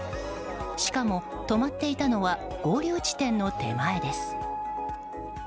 しかも、止まっていたのは合流地点の手前です。